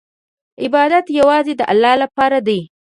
عبادت یوازې د الله لپاره دی.